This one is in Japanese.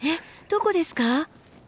どこですか？